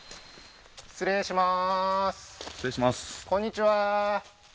失礼します